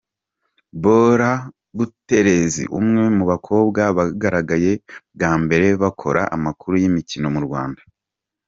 Bora Buterezi, umwe mu bakobwa bagaragaye bwa mbere bakora amakuru y'imikino mu Rwanda.